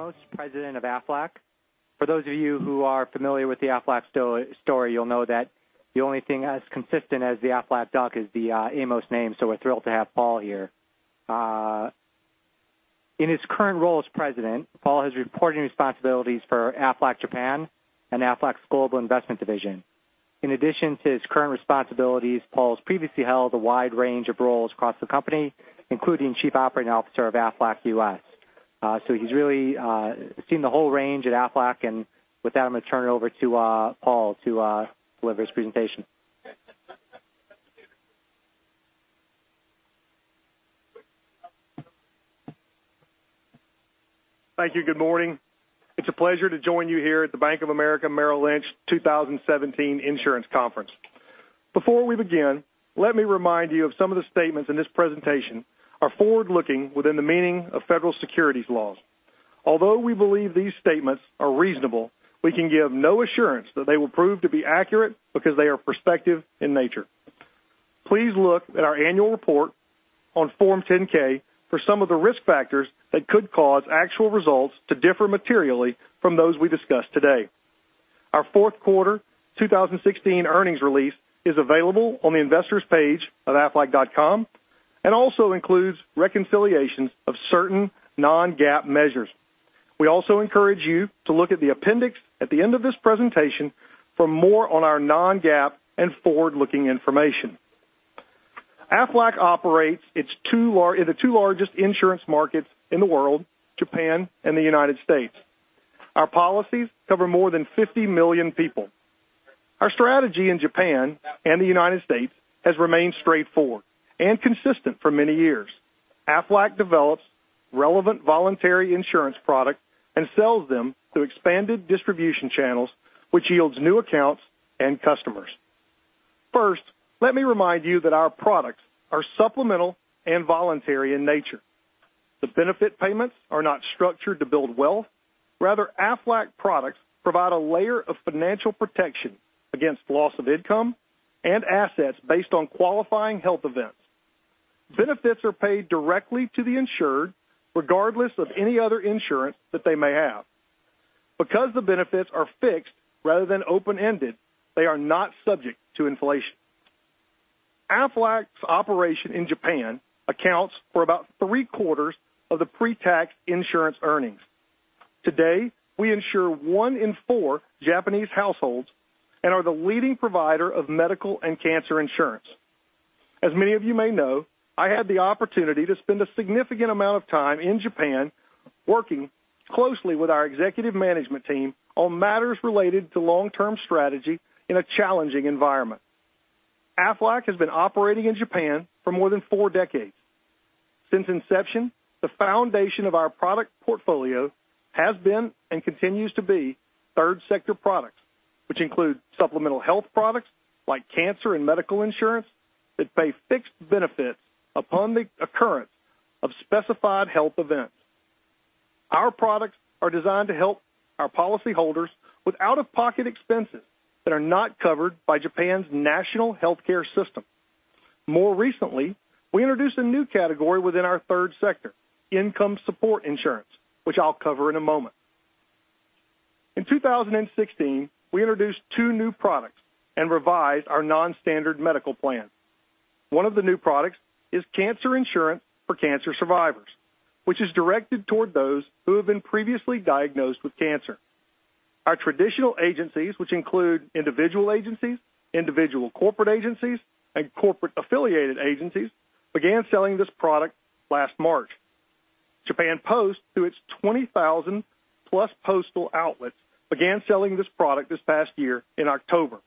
Paul Amos, President of Aflac. For those of you who are familiar with the Aflac story, you'll know that the only thing as consistent as the Aflac Duck is the Amos name, so we're thrilled to have Paul here. In his current role as President, Paul has reporting responsibilities for Aflac Japan and Aflac's Global Investment Division. In addition to his current responsibilities, Paul has previously held a wide range of roles across the company, including Chief Operating Officer of Aflac U.S. He's really seen the whole range at Aflac. With that, I'm going to turn it over to Paul to deliver his presentation. Thank you. Good morning. It's a pleasure to join you here at the Bank of America Merrill Lynch 2017 Insurance Conference. Before we begin, let me remind you of some of the statements in this presentation are forward-looking within the meaning of federal securities laws. Although we believe these statements are reasonable, we can give no assurance that they will prove to be accurate because they are prospective in nature. Please look at our annual report on Form 10-K for some of the risk factors that could cause actual results to differ materially from those we discuss today. Our fourth quarter 2016 earnings release is available on the investors page of aflac.com and also includes reconciliations of certain non-GAAP measures. We also encourage you to look at the appendix at the end of this presentation for more on our non-GAAP and forward-looking information. Aflac operates in the two largest insurance markets in the world, Japan and the United States. Our policies cover more than 50 million people. Our strategy in Japan and the United States has remained straightforward and consistent for many years. Aflac develops relevant voluntary insurance products and sells them through expanded distribution channels, which yields new accounts and customers. First, let me remind you that our products are supplemental and voluntary in nature. The benefit payments are not structured to build wealth. Rather, Aflac products provide a layer of financial protection against loss of income and assets based on qualifying health events. Benefits are paid directly to the insured, regardless of any other insurance that they may have. Because the benefits are fixed rather than open-ended, they are not subject to inflation. Aflac's operation in Japan accounts for about three-quarters of the pre-tax insurance earnings. Today, we insure one in four Japanese households and are the leading provider of medical and cancer insurance. As many of you may know, I had the opportunity to spend a significant amount of time in Japan working closely with our executive management team on matters related to long-term strategy in a challenging environment. Aflac has been operating in Japan for more than four decades. Since inception, the foundation of our product portfolio has been and continues to be third sector products, which include supplemental health products like cancer and medical insurance that pay fixed benefits upon the occurrence of specified health events. Our products are designed to help our policyholders with out-of-pocket expenses that are not covered by Japan's national healthcare system. More recently, we introduced a new category within our third sector, income support insurance, which I'll cover in a moment. In 2016, we introduced two new products and revised our non-standard medical plan. One of the new products is cancer insurance for cancer survivors, which is directed toward those who have been previously diagnosed with cancer. Our traditional agencies, which include individual agencies, individual corporate agencies, and corporate affiliated agencies, began selling this product last March. Japan Post, through its 20,000-plus postal outlets, began selling this product this past year in October.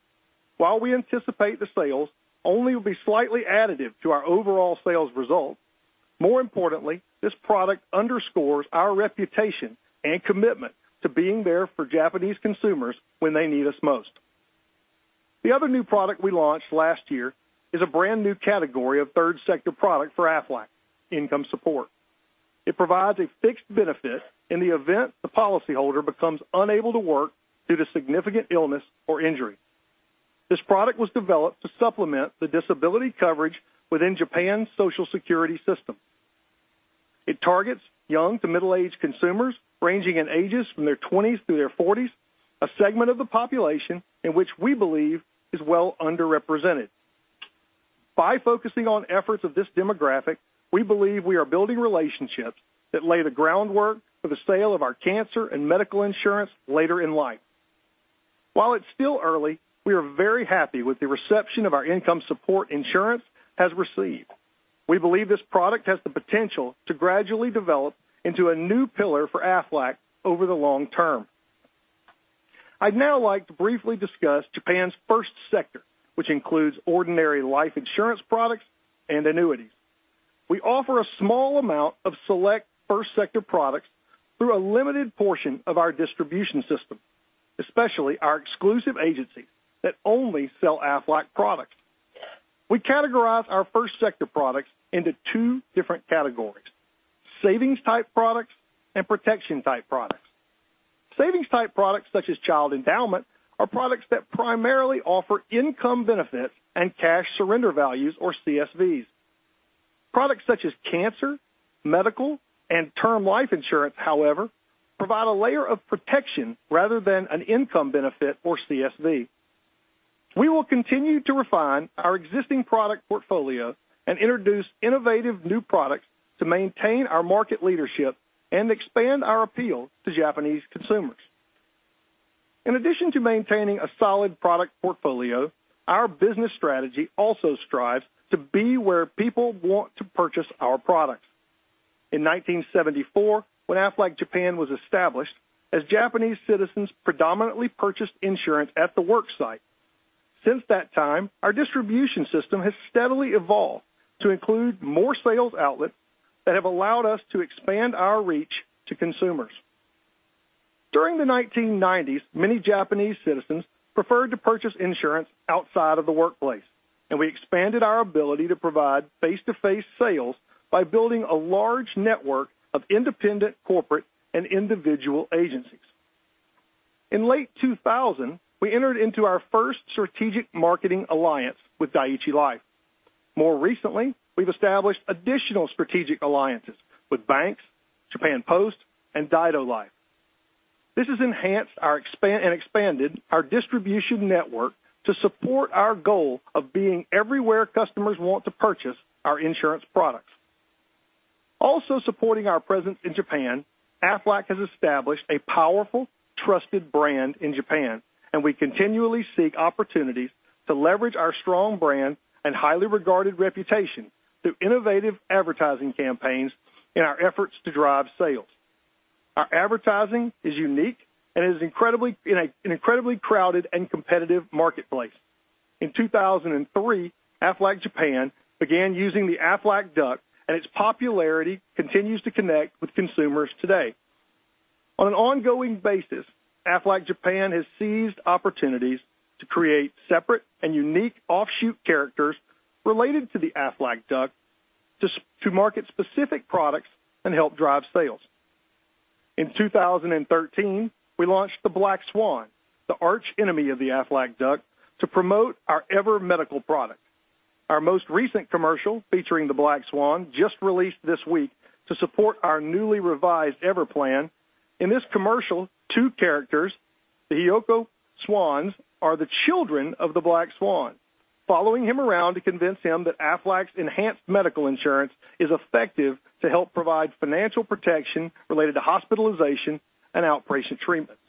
While we anticipate the sales only will be slightly additive to our overall sales result, more importantly, this product underscores our reputation and commitment to being there for Japanese consumers when they need us most. The other new product we launched last year is a brand-new category of third sector product for Aflac, income support. It provides a fixed benefit in the event the policyholder becomes unable to work due to significant illness or injury. This product was developed to supplement the disability coverage within Japan's Social Security system. It targets young to middle-aged consumers ranging in ages from their 20s through their 40s, a segment of the population in which we believe is well underrepresented. By focusing on efforts of this demographic, we believe we are building relationships that lay the groundwork for the sale of our cancer and medical insurance later in life. While it's still early, we are very happy with the reception our income support insurance has received. We believe this product has the potential to gradually develop into a new pillar for Aflac over the long term. I'd now like to briefly discuss Japan's first sector, which includes ordinary life insurance products and annuities. We offer a small amount of select first sector products through a limited portion of our distribution system, especially our exclusive agencies that only sell Aflac products. We categorize our first sector products into two different categories, savings type products and protection type products. Savings type products such as child endowment are products that primarily offer income benefit and cash surrender values or CSVs. Products such as cancer, medical, and term life insurance, however, provide a layer of protection rather than an income benefit or CSV. We will continue to refine our existing product portfolio and introduce innovative new products to maintain our market leadership and expand our appeal to Japanese consumers. In addition to maintaining a solid product portfolio, our business strategy also strives to be where people want to purchase our products. In 1974, when Aflac Japan was established, as Japanese citizens predominantly purchased insurance at the work site. Since that time, our distribution system has steadily evolved to include more sales outlets that have allowed us to expand our reach to consumers. During the 1990s, many Japanese citizens preferred to purchase insurance outside of the workplace, and we expanded our ability to provide face-to-face sales by building a large network of independent corporate and individual agencies. In late 2000, we entered into our first strategic marketing alliance with Dai-ichi Life. More recently, we've established additional strategic alliances with banks, Japan Post, and Daido Life. This has enhanced and expanded our distribution network to support our goal of being everywhere customers want to purchase our insurance products. Also supporting our presence in Japan, Aflac has established a powerful, trusted brand in Japan, and we continually seek opportunities to leverage our strong brand and highly regarded reputation through innovative advertising campaigns in our efforts to drive sales. Our advertising is unique and is in an incredibly crowded and competitive marketplace. In 2003, Aflac Japan began using the Aflac duck, and its popularity continues to connect with consumers today. On an ongoing basis, Aflac Japan has seized opportunities to create separate and unique offshoot characters related to the Aflac duck to market specific products and help drive sales. In 2013, we launched the Black Swan, the arch enemy of the Aflac duck, to promote our EVER medical product. Our most recent commercial featuring the Black Swan just released this week to support our newly revised EVER plan. In this commercial, two characters, the Hiyoko swans, are the children of the Black Swan, following him around to convince him that Aflac's enhanced medical insurance is effective to help provide financial protection related to hospitalization and outpatient treatment.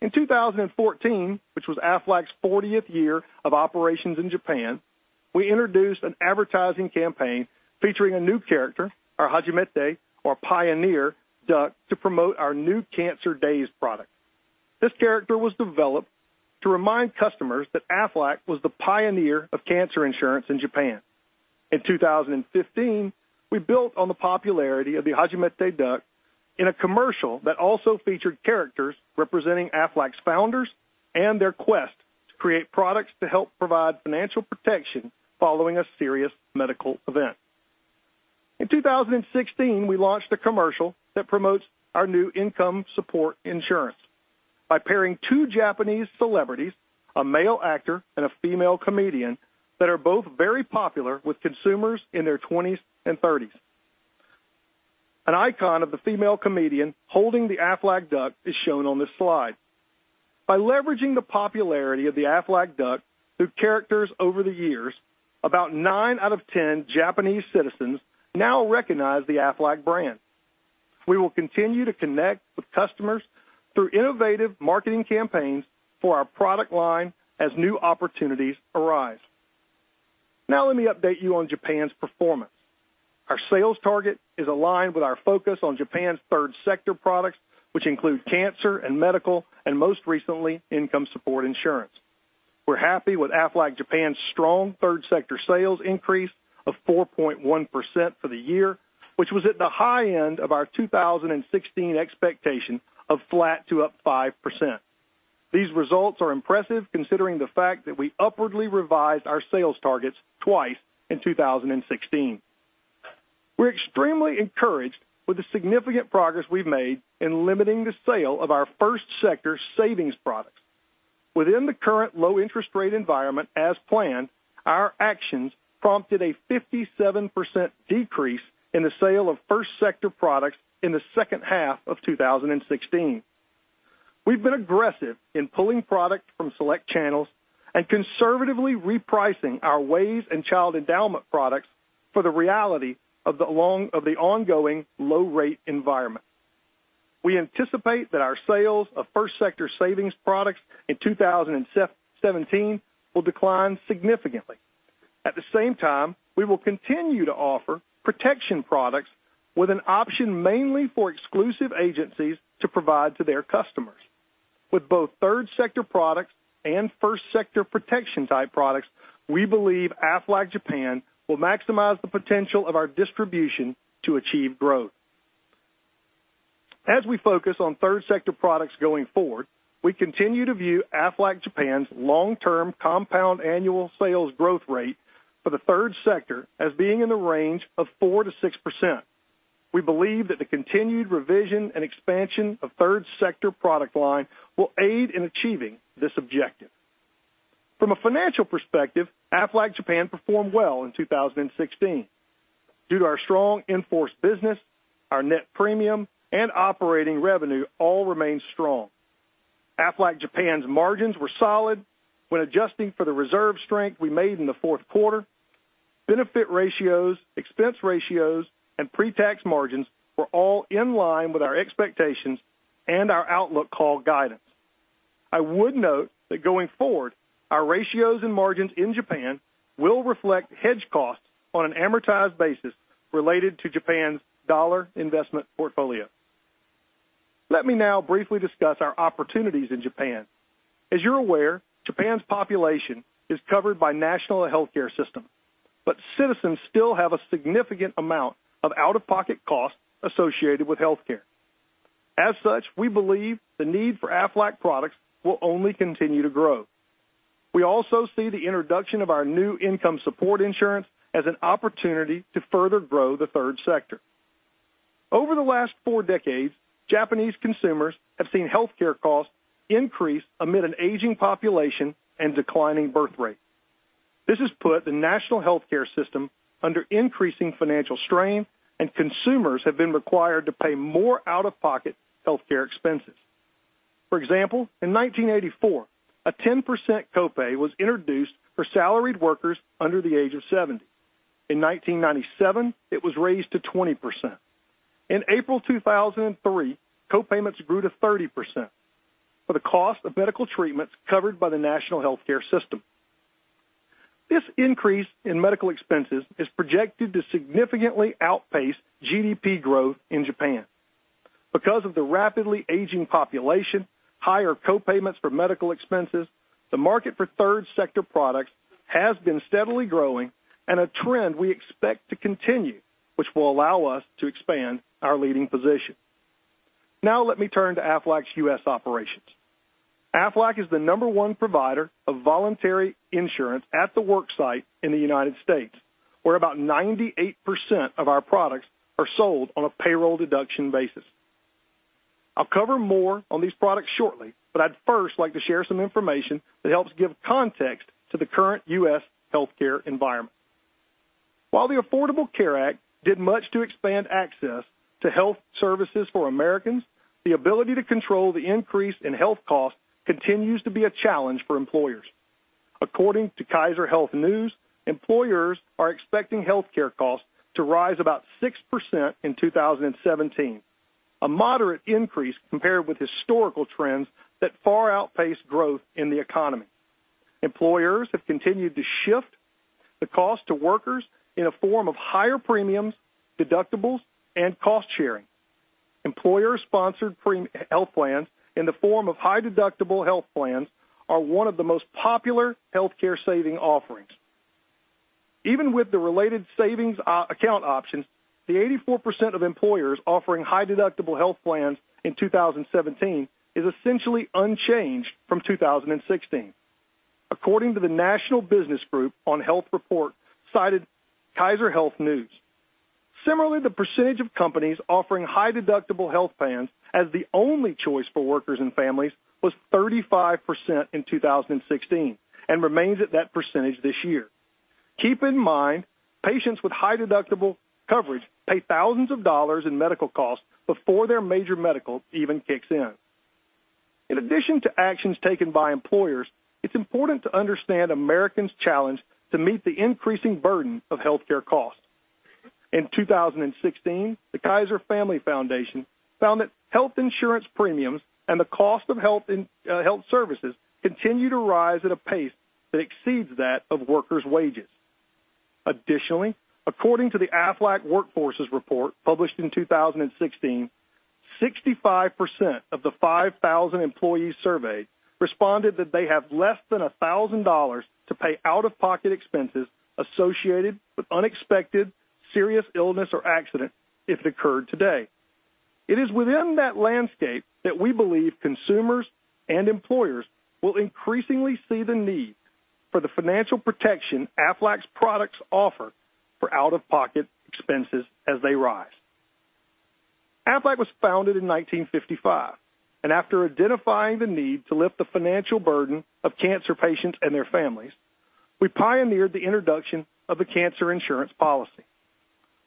In 2014, which was Aflac's 40th year of operations in Japan, we introduced an advertising campaign featuring a new character, our Hajimete or pioneer duck, to promote our New Cancer DAYS product. This character was developed to remind customers that Aflac was the pioneer of cancer insurance in Japan. In 2015, we built on the popularity of the Hajimete duck in a commercial that also featured characters representing Aflac's founders and their quest to create products to help provide financial protection following a serious medical event. In 2016, we launched a commercial that promotes our new income support insurance by pairing two Japanese celebrities, a male actor and a female comedian, that are both very popular with consumers in their 20s and 30s. An icon of the female comedian holding the Aflac duck is shown on this slide. By leveraging the popularity of the Aflac duck through characters over the years, about nine out of 10 Japanese citizens now recognize the Aflac brand. We will continue to connect with customers through innovative marketing campaigns for our product line as new opportunities arise. Let me update you on Japan's performance. Our sales target is aligned with our focus on Japan's third sector products, which include cancer and medical, and most recently, income support insurance. We're happy with Aflac Japan's strong third sector sales increase of 4.1% for the year, which was at the high end of our 2016 expectation of flat to up 5%. These results are impressive considering the fact that we upwardly revised our sales targets twice in 2016. We're extremely encouraged with the significant progress we've made in limiting the sale of our first sector savings products. Within the current low interest rate environment as planned, our actions prompted a 57% decrease in the sale of first sector products in the second half of 2016. We've been aggressive in pulling product from select channels and conservatively repricing our WAYS and child endowment products for the reality of the ongoing low rate environment. We anticipate that our sales of first sector savings products in 2017 will decline significantly. At the same time, we will continue to offer protection products with an option mainly for exclusive agencies to provide to their customers. With both third sector products and first sector protection type products, we believe Aflac Japan will maximize the potential of our distribution to achieve growth. As we focus on third sector products going forward. We continue to view Aflac Japan's long-term compound annual sales growth rate for the third sector as being in the range of 4%-6%. We believe that the continued revision and expansion of third sector product line will aid in achieving this objective. From a financial perspective, Aflac Japan performed well in 2016. Due to our strong in-force business, our net premium and operating revenue all remain strong. Aflac Japan's margins were solid when adjusting for the reserve strength we made in the fourth quarter. Benefit ratios, expense ratios, and pre-tax margins were all in line with our expectations and our outlook call guidance. I would note that going forward, our ratios and margins in Japan will reflect hedge costs on an amortized basis related to Japan's dollar investment portfolio. Let me now briefly discuss our opportunities in Japan. As you're aware, Japan's population is covered by national healthcare system. Citizens still have a significant amount of out-of-pocket costs associated with healthcare. As such, we believe the need for Aflac products will only continue to grow. We also see the introduction of our new income support insurance as an opportunity to further grow the third sector. Over the last four decades, Japanese consumers have seen healthcare costs increase amid an aging population and declining birthrate. This has put the national healthcare system under increasing financial strain, and consumers have been required to pay more out-of-pocket healthcare expenses. For example, in 1984, a 10% copay was introduced for salaried workers under the age of 70. In 1997, it was raised to 20%. In April 2003, co-payments grew to 30% for the cost of medical treatments covered by the national healthcare system. This increase in medical expenses is projected to significantly outpace GDP growth in Japan. Because of the rapidly aging population, higher co-payments for medical expenses, the market for third sector products has been steadily growing and a trend we expect to continue, which will allow us to expand our leading position. Let me turn to Aflac's U.S. operations. Aflac is the number one provider of voluntary insurance at the work site in the United States, where about 98% of our products are sold on a payroll deduction basis. I'd first like to share some information that helps give context to the current U.S. healthcare environment. While the Affordable Care Act did much to expand access to health services for Americans, the ability to control the increase in health costs continues to be a challenge for employers. According to Kaiser Health News, employers are expecting healthcare costs to rise about 6% in 2017, a moderate increase compared with historical trends that far outpace growth in the economy. Employers have continued to shift the cost to workers in a form of higher premiums, deductibles, and cost-sharing. Employer-sponsored health plans in the form of high-deductible health plans are one of the most popular healthcare saving offerings. Even with the related savings account options, the 84% of employers offering high-deductible health plans in 2017 is essentially unchanged from 2016, according to the National Business Group on Health report cited Kaiser Health News. Similarly, the percentage of companies offering high-deductible health plans as the only choice for workers and families was 35% in 2016 and remains at that percentage this year. Keep in mind, patients with high-deductible coverage pay thousands of dollars in medical costs before their major medical even kicks in. In addition to actions taken by employers, it's important to understand Americans' challenge to meet the increasing burden of healthcare costs. In 2016, the Kaiser Family Foundation found that health insurance premiums and the cost of health services continue to rise at a pace that exceeds that of workers' wages. According to the Aflac WorkForces Report published in 2016, 65% of the 5,000 employees surveyed responded that they have less than $1,000 to pay out-of-pocket expenses associated with unexpected serious illness or accident if it occurred today. It is within that landscape that we believe consumers and employers will increasingly see the need for the financial protection Aflac's products offer for out-of-pocket expenses as they rise. Aflac was founded in 1955. After identifying the need to lift the financial burden of cancer patients and their families, we pioneered the introduction of a cancer insurance policy.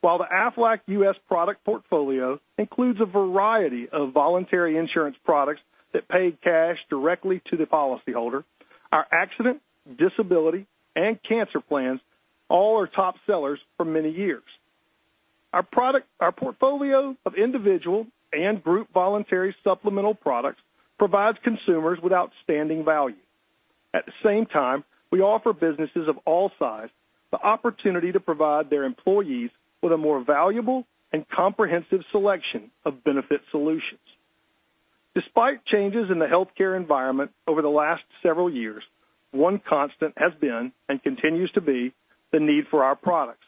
While the Aflac U.S. product portfolio includes a variety of voluntary insurance products that pay cash directly to the policyholder, our accident, disability, and cancer plans all are top sellers for many years. Our portfolio of individual and group voluntary supplemental products provides consumers with outstanding value. At the same time, we offer businesses of all size the opportunity to provide their employees with a more valuable and comprehensive selection of benefit solutions. Despite changes in the healthcare environment over the last several years, one constant has been and continues to be the need for our products.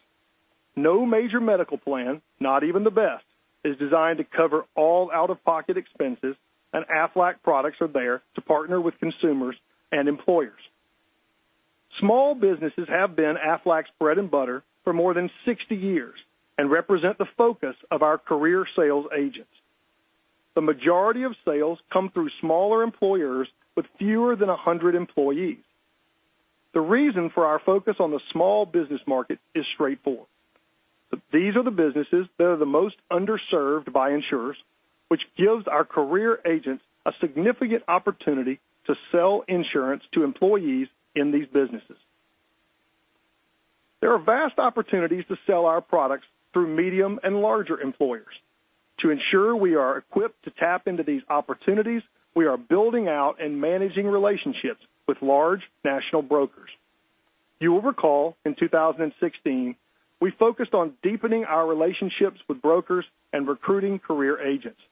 No major medical plan, not even the best, is designed to cover all out-of-pocket expenses. Aflac products are there to partner with consumers and employers. Small businesses have been Aflac's bread and butter for more than 60 years and represent the focus of our career sales agents. The majority of sales come through smaller employers with fewer than 100 employees. The reason for our focus on the small business market is straightforward. These are the businesses that are the most underserved by insurers, which gives our career agents a significant opportunity to sell insurance to employees in these businesses. There are vast opportunities to sell our products through medium and larger employers. To ensure we are equipped to tap into these opportunities, we are building out and managing relationships with large national brokers. You will recall, in 2016, we focused on deepening our relationships with brokers and recruiting career agents.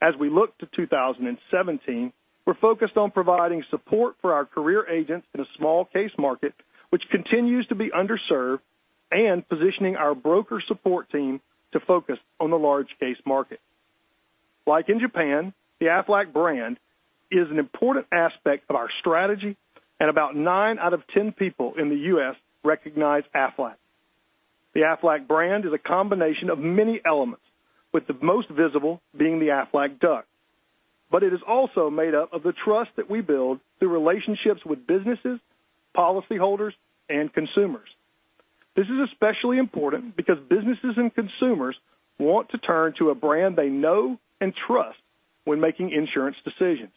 As we look to 2017, we're focused on providing support for our career agents in a small case market, which continues to be underserved, and positioning our broker support team to focus on the large case market. Like in Japan, the Aflac brand is an important aspect of our strategy, and about nine out of 10 people in the U.S. recognize Aflac. The Aflac brand is a combination of many elements, with the most visible being the Aflac duck. It is also made up of the trust that we build through relationships with businesses, policyholders, and consumers. This is especially important because businesses and consumers want to turn to a brand they know and trust when making insurance decisions.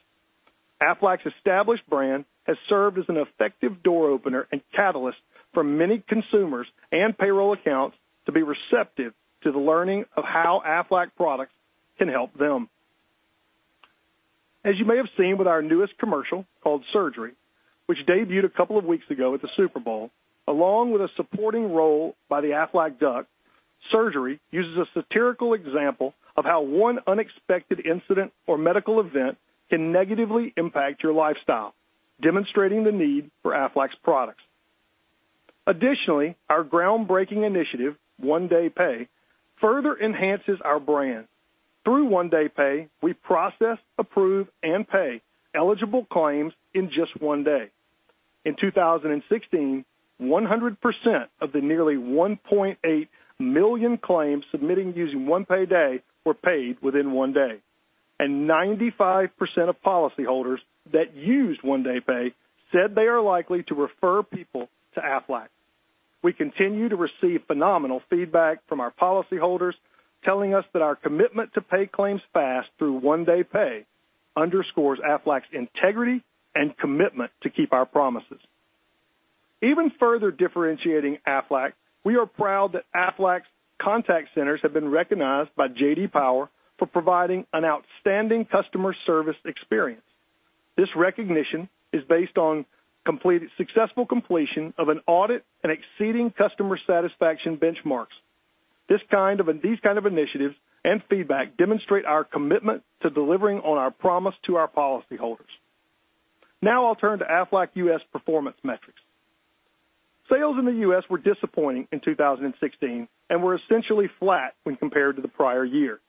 Aflac's established brand has served as an effective door opener and catalyst for many consumers and payroll accounts to be receptive to the learning of how Aflac products can help them. As you may have seen with our newest commercial, called "Surgery," which debuted a couple of weeks ago at the Super Bowl, along with a supporting role by the Aflac duck, "Surgery" uses a satirical example of how one unexpected incident or medical event can negatively impact your lifestyle, demonstrating the need for Aflac's products. Additionally, our groundbreaking initiative, One Day Pay, further enhances our brand. Through One Day Pay, we process, approve, and pay eligible claims in just one day. In 2016, 100% of the nearly 1.8 million claims submitted using One Day Pay were paid within one day, and 95% of policyholders that used One Day Pay said they are likely to refer people to Aflac. We continue to receive phenomenal feedback from our policyholders telling us that our commitment to pay claims fast through One Day Pay underscores Aflac's integrity and commitment to keep our promises. Even further differentiating Aflac, we are proud that Aflac's contact centers have been recognized by J.D. Power for providing an outstanding customer service experience. This recognition is based on successful completion of an audit and exceeding customer satisfaction benchmarks. These kind of initiatives and feedback demonstrate our commitment to delivering on our promise to our policyholders. Now I'll turn to Aflac U.S. performance metrics. Sales in the U.S. were disappointing in 2016 and were essentially flat when compared to the prior year.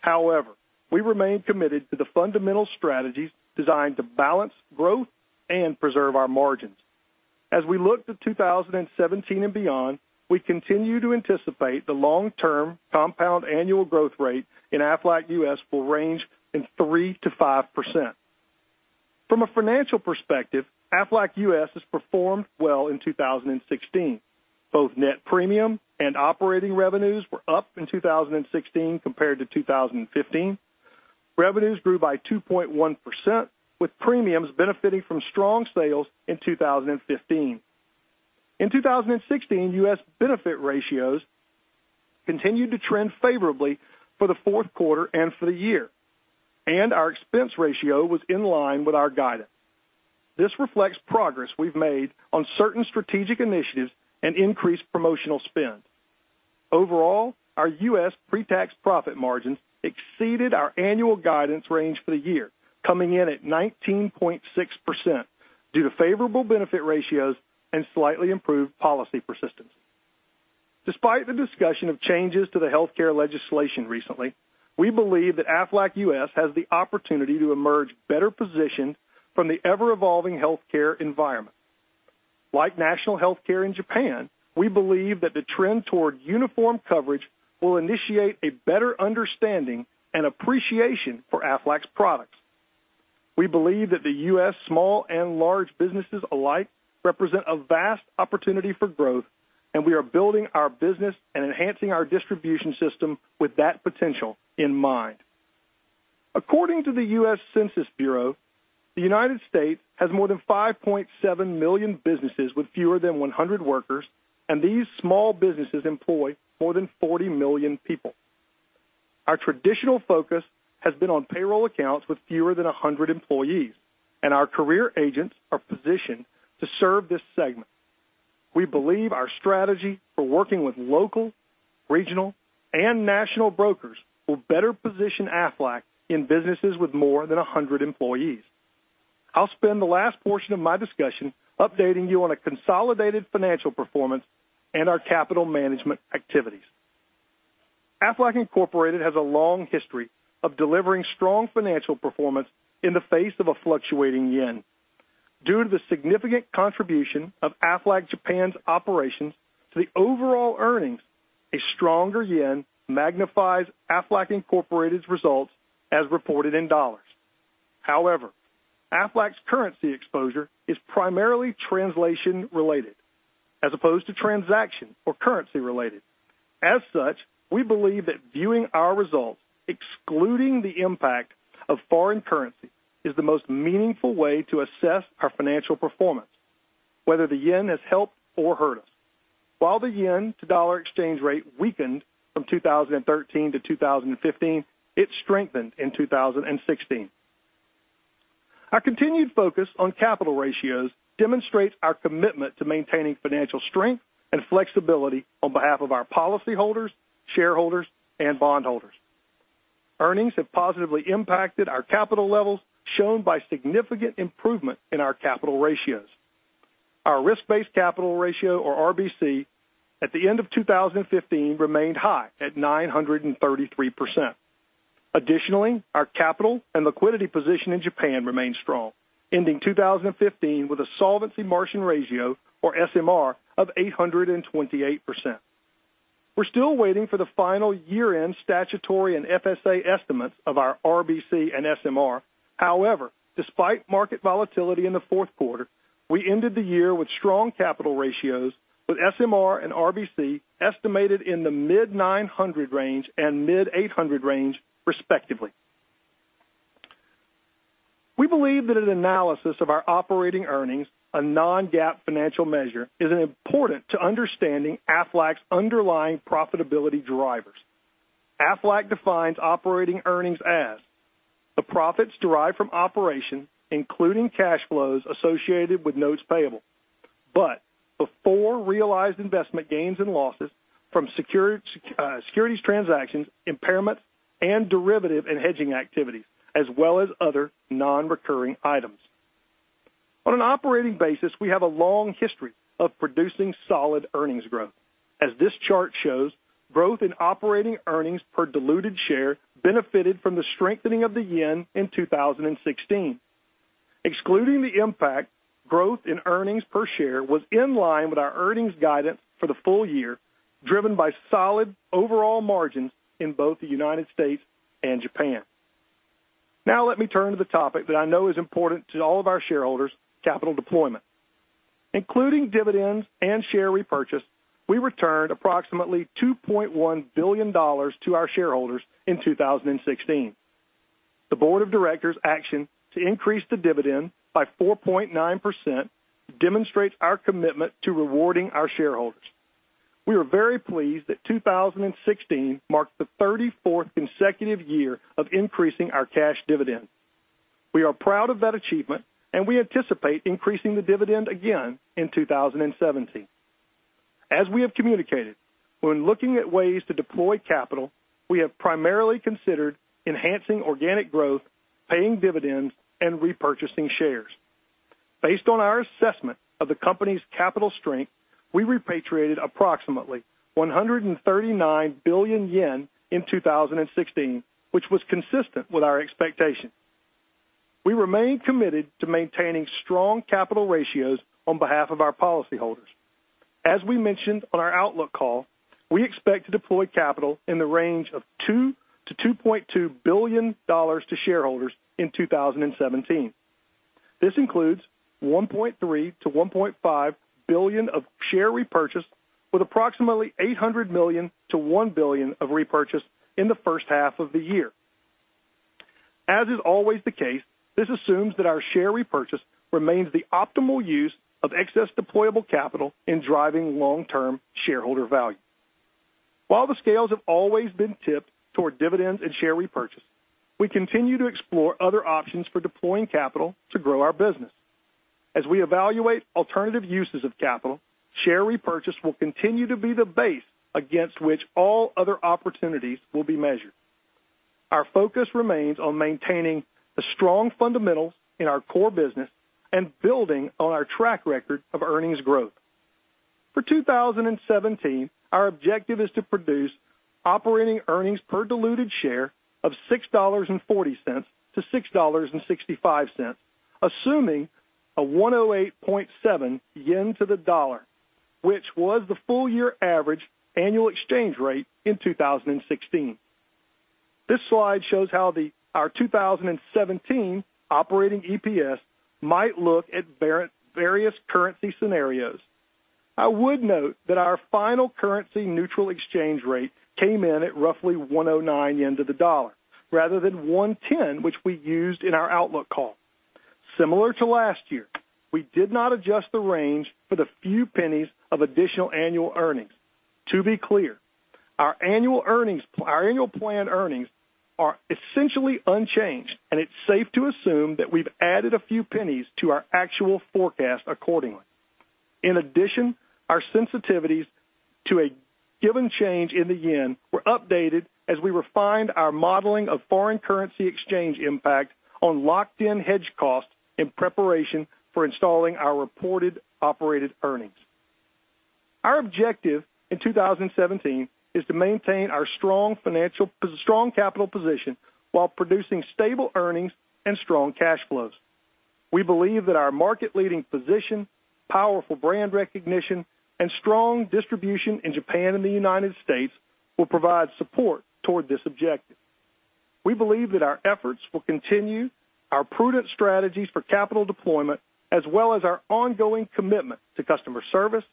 However, we remain committed to the fundamental strategies designed to balance growth and preserve our margins. As we look to 2017 and beyond, we continue to anticipate the long-term compound annual growth rate in Aflac U.S. will range in 3%-5%. From a financial perspective, Aflac U.S. has performed well in 2016. Both net premium and operating revenues were up in 2016 compared to 2015. Revenues grew by 2.1%, with premiums benefiting from strong sales in 2015. In 2016, U.S. benefit ratios continued to trend favorably for the fourth quarter and for the year, and our expense ratio was in line with our guidance. This reflects progress we've made on certain strategic initiatives and increased promotional spend. Overall, our U.S. pre-tax profit margins exceeded our annual guidance range for the year, coming in at 19.6% due to favorable benefit ratios and slightly improved policy persistence. Despite the discussion of changes to the healthcare legislation recently, we believe that Aflac U.S. has the opportunity to emerge better positioned from the ever-evolving healthcare environment. Like national healthcare in Japan, we believe that the trend toward uniform coverage will initiate a better understanding and appreciation for Aflac's products. We believe that the U.S. small and large businesses alike represent a vast opportunity for growth, and we are building our business and enhancing our distribution system with that potential in mind. According to the U.S. Census Bureau, the United States has more than 5.7 million businesses with fewer than 100 workers, and these small businesses employ more than 40 million people. Our traditional focus has been on payroll accounts with fewer than 100 employees, and our career agents are positioned to serve this segment. We believe our strategy for working with local, regional, and national brokers will better position Aflac in businesses with more than 100 employees. I will spend the last portion of my discussion updating you on a consolidated financial performance and our capital management activities. Aflac Incorporated has a long history of delivering strong financial performance in the face of a fluctuating yen. Due to the significant contribution of Aflac Japan's operations to the overall earnings, a stronger yen magnifies Aflac Incorporated's results as reported in dollars. However, Aflac's currency exposure is primarily translation-related as opposed to transaction or currency-related. As such, we believe that viewing our results, excluding the impact of foreign currency, is the most meaningful way to assess our financial performance, whether the yen has helped or hurt us. While the yen to dollar exchange rate weakened from 2013-2015, it strengthened in 2016. Our continued focus on capital ratios demonstrates our commitment to maintaining financial strength and flexibility on behalf of our policyholders, shareholders, and bondholders. Earnings have positively impacted our capital levels, shown by significant improvement in our capital ratios. Our risk-based capital ratio, or RBC, at the end of 2015 remained high at 933%. Additionally, our capital and liquidity position in Japan remained strong, ending 2015 with a solvency margin ratio, or SMR, of 828%. We are still waiting for the final year-end statutory and FSA estimates of our RBC and SMR. However, despite market volatility in the fourth quarter, we ended the year with strong capital ratios, with SMR and RBC estimated in the mid-900 range and mid-800 range, respectively. We believe that an analysis of our operating earnings, a non-GAAP financial measure, is important to understanding Aflac's underlying profitability drivers. Aflac defines operating earnings as the profits derived from operations, including cash flows associated with notes payable, but before realized investment gains and losses from securities transactions, impairment, and derivative and hedging activities, as well as other non-recurring items. On an operating basis, we have a long history of producing solid earnings growth. As this chart shows, growth in operating earnings per diluted share benefited from the strengthening of the yen in 2016. Excluding the impact, growth in earnings per share was in line with our earnings guidance for the full year, driven by solid overall margins in both the United States and Japan. Now let me turn to the topic that I know is important to all of our shareholders, capital deployment. Including dividends and share repurchase, we returned approximately $2.1 billion to our shareholders in 2016. The board of directors' action to increase the dividend by 4.9% demonstrates our commitment to rewarding our shareholders. We are very pleased that 2016 marked the 34th consecutive year of increasing our cash dividend. We are proud of that achievement, and we anticipate increasing the dividend again in 2017. As we have communicated, when looking at ways to deploy capital, we have primarily considered enhancing organic growth, paying dividends, and repurchasing shares. Based on our assessment of the company's capital strength, we repatriated approximately 139 billion yen in 2016, which was consistent with our expectations. We remain committed to maintaining strong capital ratios on behalf of our policyholders. As we mentioned on our outlook call, we expect to deploy capital in the range of $2 billion-$2.2 billion to shareholders in 2017. This includes $1.3 billion-$1.5 billion of share repurchase, with approximately $800 million-$1 billion of repurchase in the first half of the year. As is always the case, this assumes that our share repurchase remains the optimal use of excess deployable capital in driving long-term shareholder value. While the scales have always been tipped toward dividends and share repurchase, we continue to explore other options for deploying capital to grow our business. As we evaluate alternative uses of capital, share repurchase will continue to be the base against which all other opportunities will be measured. Our focus remains on maintaining the strong fundamentals in our core business and building on our track record of earnings growth. For 2017, our objective is to produce operating earnings per diluted share of $6.40-$6.65, assuming a 108.7 yen to the dollar, which was the full-year average annual exchange rate in 2016. This slide shows how our 2017 operating EPS might look at various currency scenarios. I would note that our final currency neutral exchange rate came in at roughly 109 yen to the dollar rather than 110, which we used in our outlook call. Similar to last year, we did not adjust the range for the few pennies of additional annual earnings. To be clear, our annual planned earnings are essentially unchanged, and it's safe to assume that we've added a few pennies to our actual forecast accordingly. In addition, our sensitivities to a given change in the JPY were updated as we refined our modeling of foreign currency exchange impact on locked-in hedge costs in preparation for installing our reported operating earnings. Our objective in 2017 is to maintain our strong capital position while producing stable earnings and strong cash flows. We believe that our market-leading position, powerful brand recognition, and strong distribution in Japan and the U.S. will provide support toward this objective. We believe that our efforts will continue our prudent strategies for capital deployment as well as our ongoing commitment to customer service,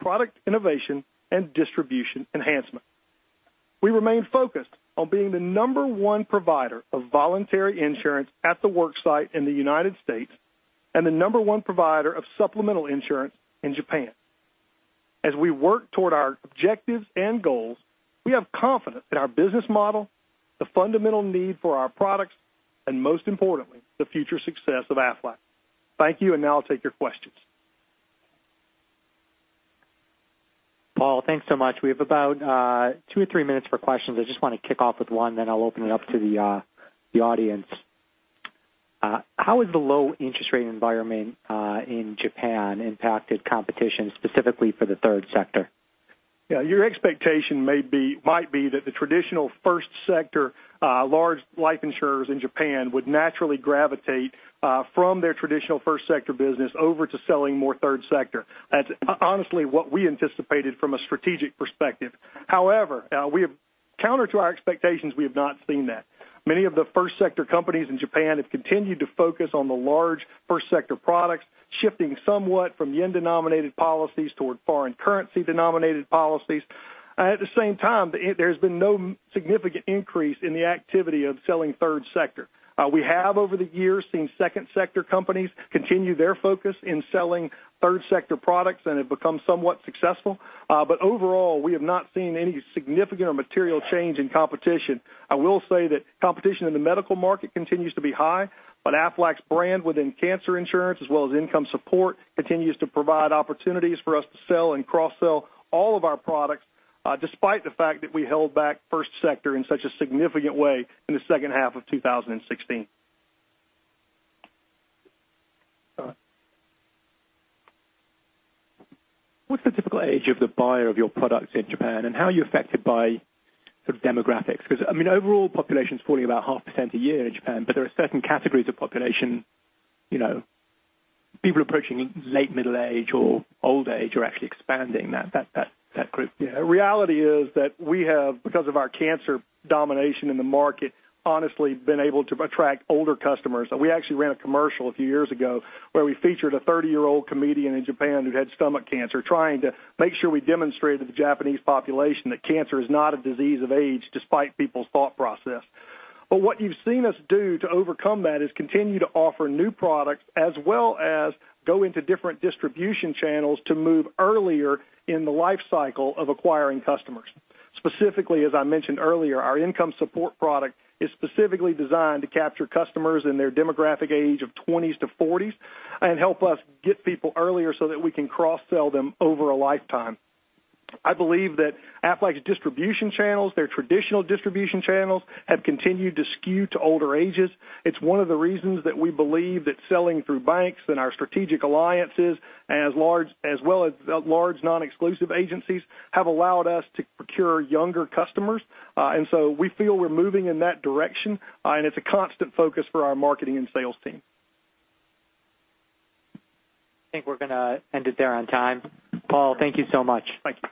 product innovation, and distribution enhancement. We remain focused on being the number one provider of voluntary insurance at the work site in the U.S. and the number one provider of supplemental insurance in Japan. As we work toward our objectives and goals, we have confidence in our business model, the fundamental need for our products, and most importantly, the future success of Aflac. Thank you, and now I'll take your questions. Paul, thanks so much. We have about two to three minutes for questions. I just want to kick off with one, then I'll open it up to the audience. How has the low interest rate environment in Japan impacted competition, specifically for the third sector? Your expectation might be that the traditional first sector large life insurers in Japan would naturally gravitate from their traditional first sector business over to selling more third sector. That's honestly what we anticipated from a strategic perspective. However, counter to our expectations, we have not seen that. Many of the first sector companies in Japan have continued to focus on the large first sector products, shifting somewhat from yen-denominated policies toward foreign currency-denominated policies. At the same time, there's been no significant increase in the activity of selling third sector. We have, over the years, seen second sector companies continue their focus in selling third sector products and have become somewhat successful. Overall, we have not seen any significant or material change in competition. I will say that competition in the medical market continues to be high, but Aflac's brand within cancer insurance as well as income support continues to provide opportunities for us to sell and cross-sell all of our products, despite the fact that we held back first sector in such a significant way in the second half of 2016. All right. What's the typical age of the buyer of your products in Japan, and how are you affected by sort of demographics? Because overall population is falling about 0.5% a year in Japan, but there are certain categories of population, people approaching late middle age or old age are actually expanding that group. Reality is that we have, because of our cancer domination in the market, honestly been able to attract older customers. We actually ran a commercial a few years ago where we featured a 30-year-old comedian in Japan who'd had stomach cancer, trying to make sure we demonstrated to the Japanese population that cancer is not a disease of age despite people's thought process. What you've seen us do to overcome that is continue to offer new products as well as go into different distribution channels to move earlier in the life cycle of acquiring customers. Specifically, as I mentioned earlier, our income support insurance is specifically designed to capture customers in their demographic age of 20s to 40s and help us get people earlier so that we can cross-sell them over a lifetime. I believe that Aflac's distribution channels, their traditional distribution channels, have continued to skew to older ages. It's one of the reasons that we believe that selling through banks and our strategic alliances, as well as large non-exclusive agencies, have allowed us to procure younger customers. We feel we're moving in that direction, and it's a constant focus for our marketing and sales team. I think we're gonna end it there on time. Paul, thank you so much. Thank you.